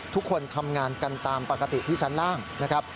ทุกคนทำงานกันตามปกติที่ชั้นล่างนะครับ